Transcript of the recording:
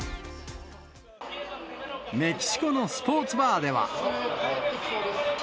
メキシコのスポーツバーでは。